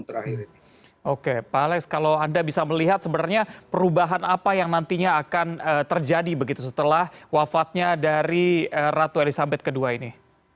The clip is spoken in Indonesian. oke pak alex kalau anda bisa melihat sebenarnya perubahan apa yang nantinya akan terjadi begitu setelah wafatnya dari ratu elizabeth ii ini